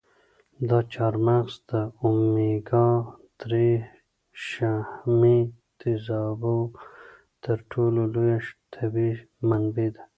دا چهارمغز د اومیګا درې شحمي تېزابو تر ټولو لویه طبیعي منبع ده.